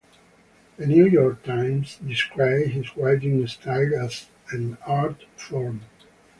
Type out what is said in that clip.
"The New York Times" described his writing style as an "art form".